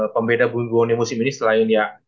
pembeda bumi borneo musim ini